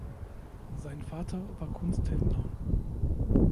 Sein Vater war Kunsthändler.